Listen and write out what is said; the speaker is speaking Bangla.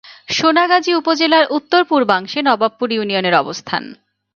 সোনাগাজী উপজেলার উত্তর-পূর্বাংশে নবাবপুর ইউনিয়নের অবস্থান।